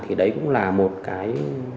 thì đấy cũng là một cái